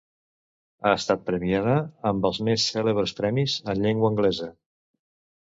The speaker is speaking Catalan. Ha estat premiada amb els més cèlebres premis en llengua anglesa.